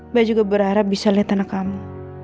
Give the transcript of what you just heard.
mbak juga berharap bisa lihat anak kamu